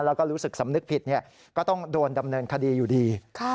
แล้วก็รู้สึกสำนึกผิดก็ต้องโดนดำเนินคดีอยู่ดี